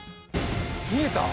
見えた？